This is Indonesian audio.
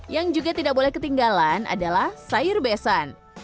yang juga tidak boleh ketinggalan adalah sayur besan